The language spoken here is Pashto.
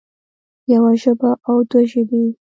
يوه ژبه او دوه ژبې